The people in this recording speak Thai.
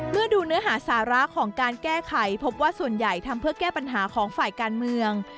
ดูเนื้อหาสาระของการแก้ไขพบว่าส่วนใหญ่ทำเพื่อแก้ปัญหาของฝ่ายการเมือง